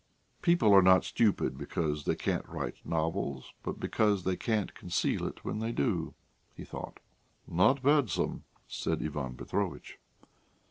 "People are not stupid because they can't write novels, but because they can't conceal it when they do," he thought. "Not badsome," said Ivan Petrovitch.